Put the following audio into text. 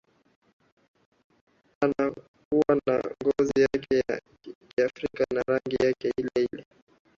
anakuwa na ngozi yake ya kiafrika na rangi yake ile ile